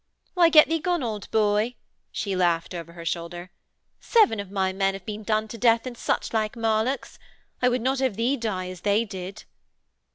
'Why, get thee gone, old boy,' she laughed over her shoulder. 'Seven of my men have been done to death in such like marlocks. I would not have thee die as they did.'